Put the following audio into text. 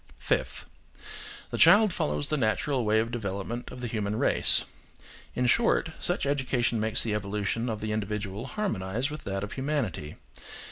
Fifth. The child follows the natural way of development of the human race. In short, such education makes the evolution of the individual harmonise with that of humanity.